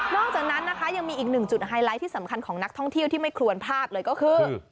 จากนั้นนะคะยังมีอีกหนึ่งจุดไฮไลท์ที่สำคัญของนักท่องเที่ยวที่ไม่ควรพลาดเลยก็คือ